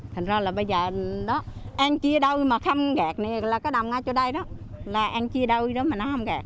thành ra là bây giờ đó ăn chia đôi mà không gạt này là cái đồng ở chỗ đây đó là ăn chia đôi đó mà nó không gạt